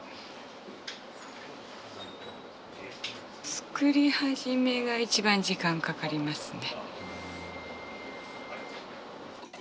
作り始めがいちばん時間かかりますね。